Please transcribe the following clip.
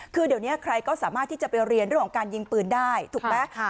คือเดี๋ยวนี้ใครก็สามารถที่จะไปเรียนเรื่องของการยิงปืนได้ถูกไหม